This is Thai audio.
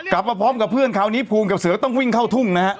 กลับมาพร้อมกับเพื่อนคราวนี้ภูมิกับเสือต้องวิ่งเข้าทุ่งนะฮะ